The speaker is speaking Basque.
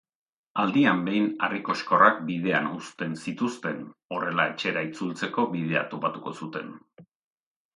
Aldian behin harri koxkorrak bidean uzten zituzten, horrela etxera itzultzeko bidea topatuko zuten.